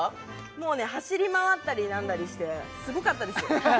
もうね走り回ったり何なりしてすごかったです